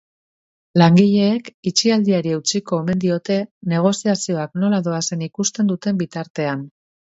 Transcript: Langileek itxialdiari eutsiko omen diote negoziazioak nola doazen ikusten duten bitartean.